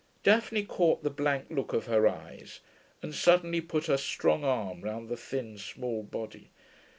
Daphne caught the blank look of her eyes, and suddenly put her strong arm round the thin, small body.